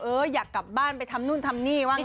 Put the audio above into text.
อยากกลับบ้านไปทำนู่นทำนี่ว่าไง